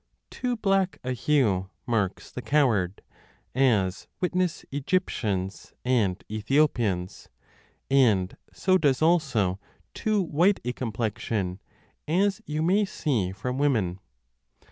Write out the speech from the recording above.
Too black a hue marks the coward, as witness Egyptians and Ethiopians, 1 and so does also too white a complexion, as you may see from women.